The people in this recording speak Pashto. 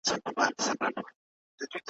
دلته له ورځي سره لمر لکه شېبه ځلیږي `